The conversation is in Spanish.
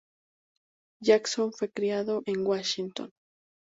Jackson fue criado en Washington.